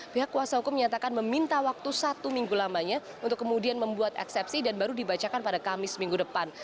pihak kuasa hukum menyatakan meminta waktu satu minggu lamanya untuk kemudian membuat eksepsi dan baru dibacakan pada kamis minggu depan